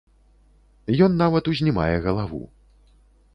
Ён нават узнімае галаву.